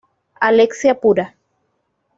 Alexia pura.